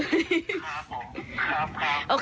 ครับผมครับครับ